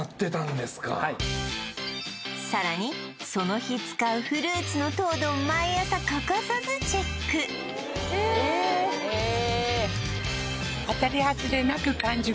さらにその日使うフルーツの糖度を毎朝欠かさずチェックええええ